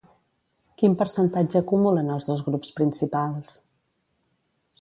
Quin percentatge acumulen els dos grups principals?